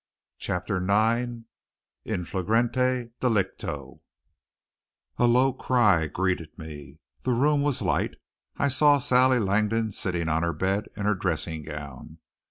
Chapter 9 IN FLAGRANTE DELICTO A low cry greeted me. The room was light. I saw Sally Langdon sitting on her bed in her dressing gown.